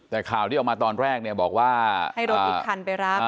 แต่ข่าวที่ออกมาตอนแรกเนี่ยบอกว่าให้รถอีกคันไปรับ